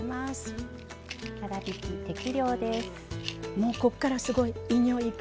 もうこっからすごいいい匂いいく？